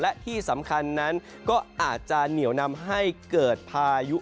และที่สำคัญนั้นก็อาจจะเหนียวนำให้เกิดพายุ